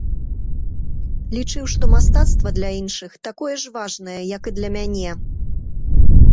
Лічыў, што мастацтва для іншых такое ж важнае, як і для мяне.